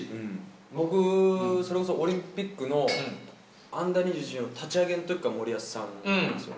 僕、それこそオリンピックのアンダー２１の立ち上げのときから森保さんなんですよ。